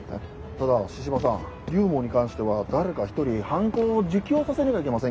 ただ神々さん龍門に関しては誰か一人犯行を自供させなきゃいけませんけどね。